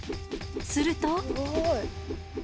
すると。